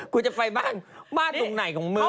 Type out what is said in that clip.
คุณจะไปบ้านบ้านตรงไหนของมึง